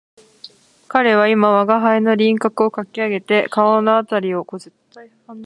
彼は今吾輩の輪廓をかき上げて顔のあたりを色彩っている